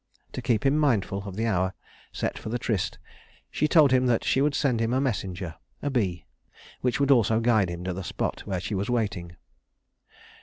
To keep him mindful of the hour set for the tryst, she told him that she would send him a messenger a bee which would also guide him to the spot where she was waiting.